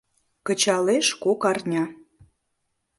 Кычалеш кок арня: